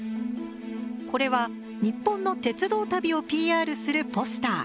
これは日本の鉄道旅をＰＲするポスター。